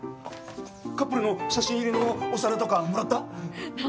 カップルの写真入りのお皿とかもらった？